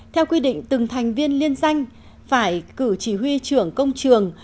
theo quy định từng thành viên liên danh phải cử chỉ huy trưởng công trường